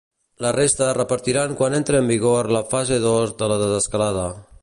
La resta es repartiran quan entre en vigor la fase dos de la desescalada.